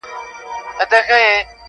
کوي او سوکاله وي -